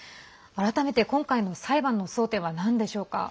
改めて今回の裁判の争点はなんでしょうか？